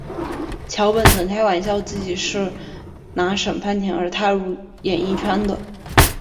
桥本曾开玩笑自己是为了拿省饭钱而踏入演艺圈的。